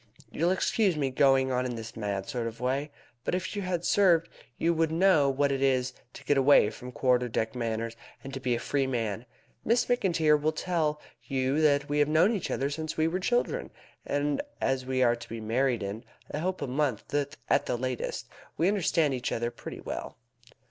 "You'll excuse my going on in this mad sort of way, but if you had served you would know what it is to get away from quarter deck manners, and to be a free man. Miss McIntyre will tell you that we have known each other since we were children, and as we are to be married in, I hope, a month at the latest, we understand each other pretty well."